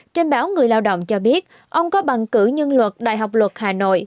trên báo người lao động cho biết ông có bằng cử nhân luật đại học luật hà nội